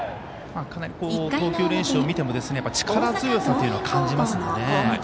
かなり投球練習を見ても力強さというのは感じますよね。